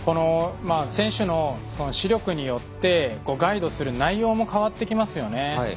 選手の視力によってガイドする内容も変わってきますよね。